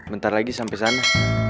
bentar lagi sampai sana